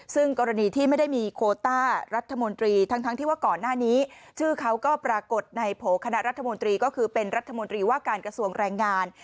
ซึ่งกรณีที่ไม่ได้มีโคต้ารัฐมนตรีทั้งที่ว่าก่อนหน้านี้ชื่อเขาก็ปรากฏในโผล่คณะรัฐมนตรีก็คือเป็นรัฐมนตรีว่าการกระทรวงแรงงาน